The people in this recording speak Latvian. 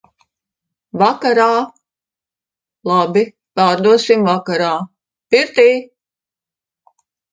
-Vakarā! -Labi, pārdosim vakarā. -Pirtī!